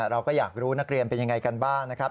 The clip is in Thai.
เราก็อยากรู้นักเรียนเป็นยังไงกันบ้างนะครับ